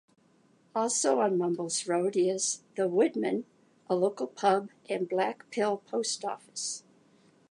Also on Mumbles road is 'The Woodman', a local pub, and Blackpill Post Office.